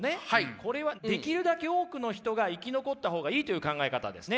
これはできるだけ多くの人が生き残った方がいいという考え方ですね。